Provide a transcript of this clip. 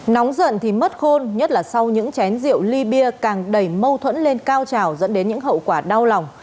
nóng giận thì mất khôn nhất là sau những chén rượu ly bia càng đẩy mâu thuẫn lên cao trào dẫn đến những hậu quả đau lòng